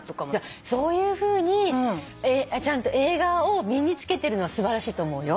そういうふうにちゃんと映画を身に付けてるのは素晴らしいと思うよ。